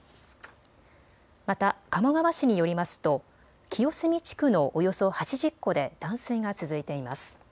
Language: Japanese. また鴨川市によりますと清澄地区のおよそ８０戸で断水が続いています。